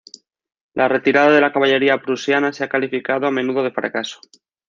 La retirada de la caballería prusiana se ha calificado a menudo de fracaso.